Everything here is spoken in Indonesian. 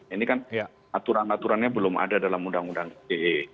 ini kan aturan aturannya belum ada dalam undang undang ite